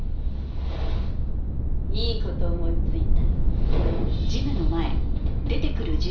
いい事思いついた。